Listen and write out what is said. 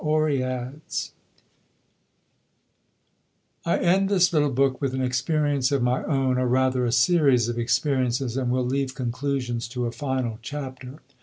OREADS I end this little book with an experience of my own, or rather a series of experiences, and will leave conclusions to a final chapter.